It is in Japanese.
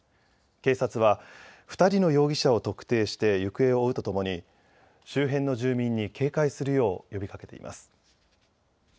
警察は２人の容疑者を特定して行方を追うとともに周辺の住民に警戒するよう呼びかけています。